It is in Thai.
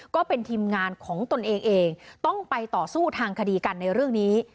ก็เป็นทีมงานของตนเองเองต้องไปต่อสู้ทางคดีกันในเรื่องนี้